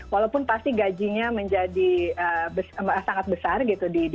walaupun pasti gajinya menjadi sangat besar gitu